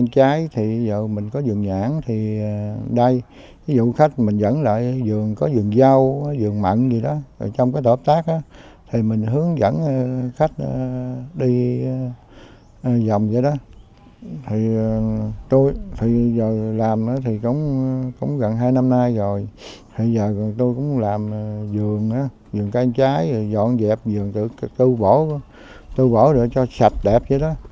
cũng gần hai năm nay rồi bây giờ tôi cũng làm dường cây trái dọn dẹp dường tôi bỏ rồi cho sạch đẹp vậy đó